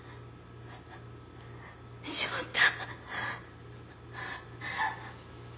翔太。